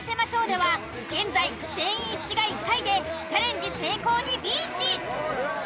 では現在全員一致が１回でチャレンジ成功にリーチ。